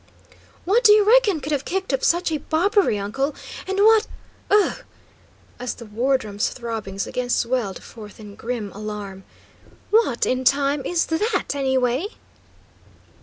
"What do you reckon could have kicked up such a bobbery, uncle? And what ugh!" as the wardrum's throbbings again swelled forth in grim alarm. "What in time is that, anyway?"